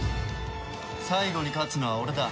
最後に勝つのは俺だ。